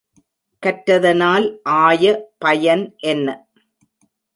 கற்றதனால் ஆய பயன் என்ன?